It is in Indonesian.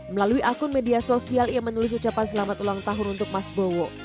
melalui akun media sosial ia menulis ucapan selamat ulang tahun untuk mas bowo